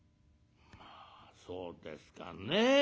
「まあそうですかね。